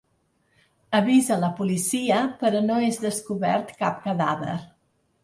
Avisa la policia però no és descobert cap cadàver.